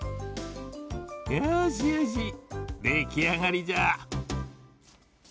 よしよしできあがりじゃ。